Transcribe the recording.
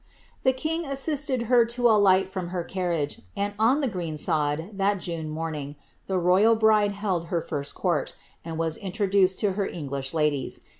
The king assisted her to alight from her carriage, and on the green sod, that June morning, the royal bride lield her first court, and was in troduced to her English ladies.